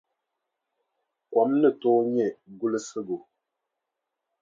Kom ni tooi nyɛ gulisigu.